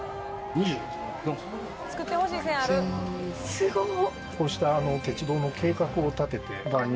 すごっ！